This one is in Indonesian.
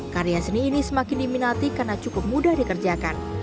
karya seni ini semakin diminati karena cukup mudah dikerjakan